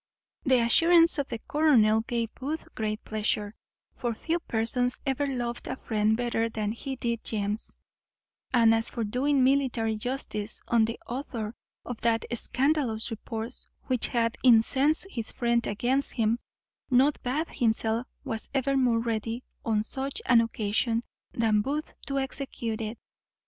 The assurance of the colonel gave Booth great pleasure; for few persons ever loved a friend better than he did James; and as for doing military justice on the author of that scandalous report which had incensed his friend against him, not Bath himself was ever more ready, on such an occasion, than Booth to execute it.